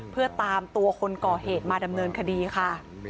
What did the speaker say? เพื่อตามตัวคนก่อเหตุมาดำเนินคดีค่ะ